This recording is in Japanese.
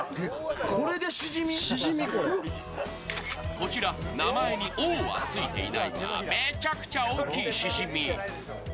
こちら名前に「オオ」はついていないが、めちゃめちゃ大きいシジミ。